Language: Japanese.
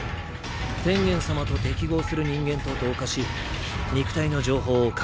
天元様と適合する人間と同化し肉体の情報を書き換える。